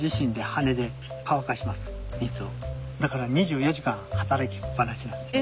だから２４時間働きっぱなしなんです。